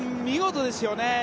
見事ですよね。